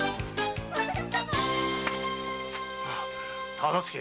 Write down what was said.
忠相！